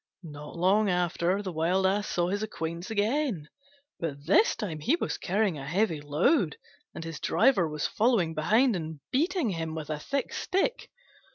Not long after the Wild Ass saw his acquaintance again, but this time he was carrying a heavy load, and his driver was following behind and beating him with a thick stick.